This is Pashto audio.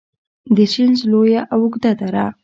د شنیز لویه او اوږده دره